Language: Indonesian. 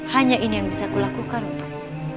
hanya ini yang bisa kulakukan untuk